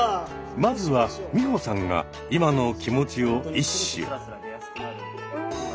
まずは美穂さんが今の気持ちを一首。